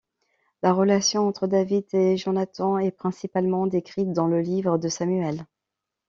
La relation entre David et Jonathan est principalement décrite dans le Livre de Samuel.